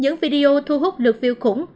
những video thu hút lượt view khủng